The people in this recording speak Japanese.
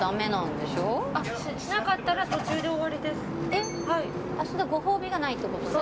えっそれでご褒美がないってことね。